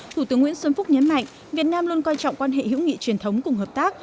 thủ tướng nguyễn xuân phúc nhấn mạnh việt nam luôn coi trọng quan hệ hữu nghị truyền thống cùng hợp tác